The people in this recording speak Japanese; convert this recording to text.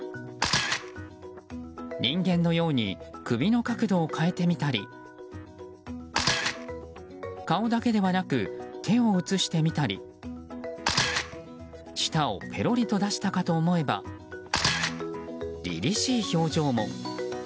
人間のように首の角度を変えてみたり顔だけではなく手を写してみたり舌をぺろりと出したかと思えば凛々しい表情も。